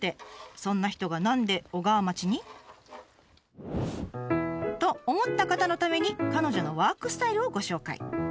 そんな人が何で小川町に？と思った方のために彼女のワークスタイルをご紹介。